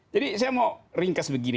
jadi saya mau ringkas begini